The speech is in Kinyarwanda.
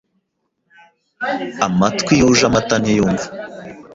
Amatwi yuje amata ntiyumva